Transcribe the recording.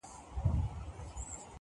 • چا راوړي د پیسو وي ډک جېبونه,